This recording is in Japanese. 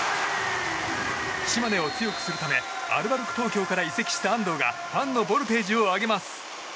島根を強くするためアルバルク東京から移籍した安藤がファンのボルテージを上げます。